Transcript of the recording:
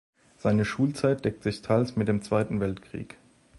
Seine Schulzeit deckt sich teils mit dem Zweiten Weltkrieg.